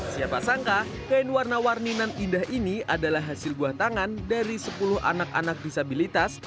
siapa sangka kain warna warninan indah ini adalah hasil buatangan dari sepuluh anak anak disabilitas